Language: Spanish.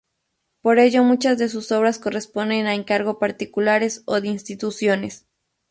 Por ello muchas de sus obras corresponden a encargo particulares o de instituciones.